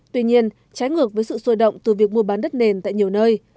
tuy nhiên trái ngược với sự sôi động từ việc mua bán đất nền tại nhiều nơi